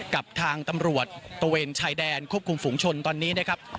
กับทางตำรวจตะเวนชายแดนควบคุมฝุงชนตอนนี้นะครับ